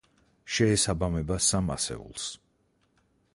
შეესაბამება სამ ასეულს.